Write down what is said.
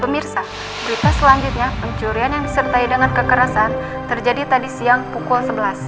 pemirsa berita selanjutnya pencurian yang disertai dengan kekerasan terjadi tadi siang pukul sebelas